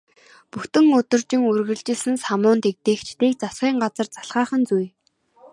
Бүтэн өдөржин үргэлжилсэн самуун дэгдээгчдийг засгийн газар залхаах нь зүй.